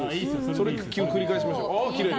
それを繰り返しましょう。